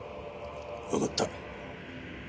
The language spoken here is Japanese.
わかった。